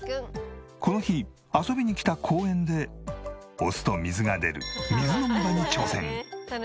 この日遊びに来た公園で押すと水が出る水飲み場に挑戦。